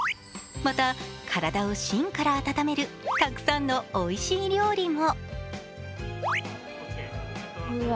また体を芯から温めるたくさんのおいしい料理も。